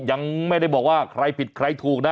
ยังไม่ได้บอกว่าใครผิดใครถูกนะ